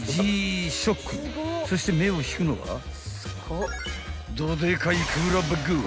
［そして目を引くのがどでかいクーラーバッグ］